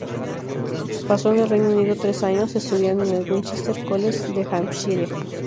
Pasó en el Reino Unido tres años estudiando en el Winchester College de Hampshire.